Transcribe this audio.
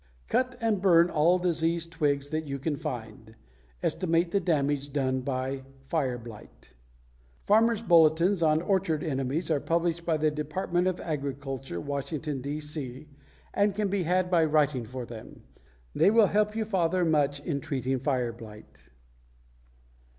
Cut and burn all diseased twigs that you can find. Estimate the damage done by fire blight. Farmers' bulletins on orchard enemies are published by the Department of Agriculture, Washington, D.C., and can be had by writing for them. They will help your father much in treating fire blight.